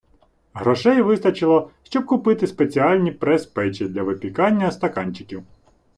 Грошей вистачило, щоб купити спеціальні прес - печі для випікання стаканчиків.